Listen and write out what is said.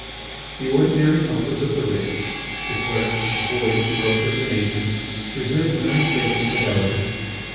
The ordinary helpers of the rich, the clerks, employees, brokers, and agents, preserved an unshaken fidelity.